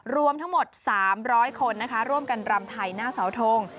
รวมทั้งหมด๓๐๐คนนะคะร่วมกันรำไทยหน้าเสาทง